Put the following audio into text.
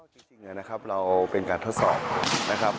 จริงนะครับเราเป็นการทดสอบนะครับ